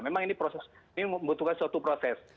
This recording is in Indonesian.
memang ini proses ini membutuhkan suatu proses